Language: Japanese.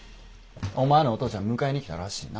お前のお父ちゃん迎えに来たらしいな。